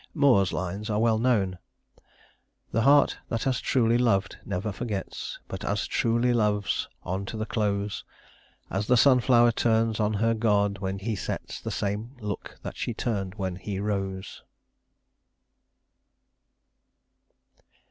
Moore's lines are well known: "The heart that has truly loved never forgets, But as truly loves on to the close; As the sunflower turns on her god when he sets The same look that she turned when he rose."